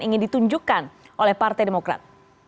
ingin ditunjukkan oleh partai demokrat